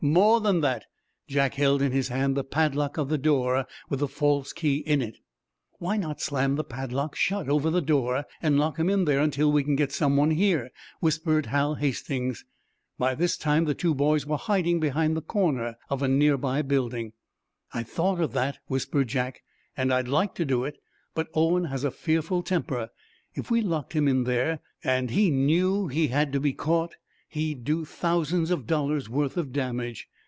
More than that, Jack held in his hand the padlock of the door, with the false key in it. "Why not slam the padlock shut over the door and lock him in there until we can get someone here?" whispered Hal Hastings. By this time the two boys were hiding behind the corner of a nearby building. "I thought of that," whispered Jack, "and I'd like to do it. But Owen has a fearful temper. If we locked him in there, and he knew he had to be caught, he'd do thousands of dollars' worth of damage.